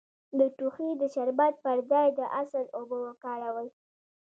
د ټوخي د شربت پر ځای د عسل اوبه وکاروئ